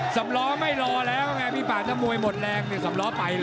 สำล้อไม่รอแล้วไงพี่ปากถ้ามวยหมดแรงสำล้อไปเลย